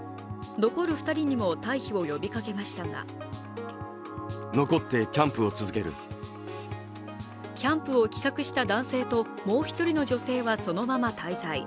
残る２人にも退避を呼びかけましたがキャンプを企画した男性ともう１人の女性はそのまま滞在。